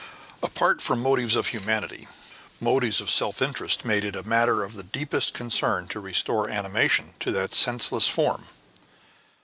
Apart from motives of humanity, motives of self interest made it a matter of the deepest concern to restore animation to that senseless form.